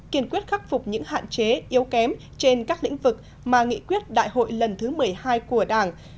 kiên quyết khắc phục những hạn chế yếu kém trên các lĩnh vực mà nghị quyết đại hội lần thứ một mươi hai của đảng